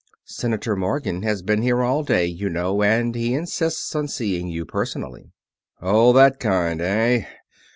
"Senator Morgan has been here all day, you know, and he insists on seeing you personally." "Oh, that kind, eh?